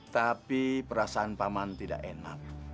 tapi perasaan pak man tidak enak